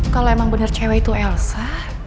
kalau emang benar cewek itu elsa